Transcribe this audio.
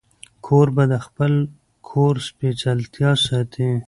کوربه د خپل کور سپېڅلتیا ساتي.